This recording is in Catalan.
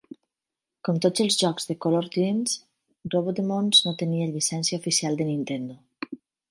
Com tots els jocs de Color Dreams, Robodemons no tenia llicència oficial de Nintendo.